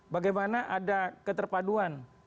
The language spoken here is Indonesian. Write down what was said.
bagaimana ada keterpaduan